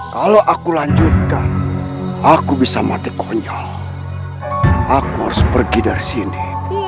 kalau aku lanjutkan aku bisa mati ke penjara aku harus pergi dari sini